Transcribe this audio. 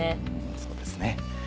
そうですね。